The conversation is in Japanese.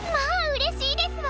うれしいですわ。